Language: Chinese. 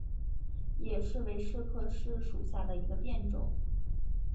野柿为柿科柿属下的一个变种。